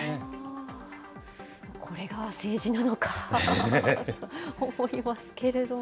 これが政治なのかと思いますけれども。